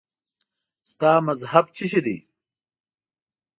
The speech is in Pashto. ستا مذهب څه شی دی؟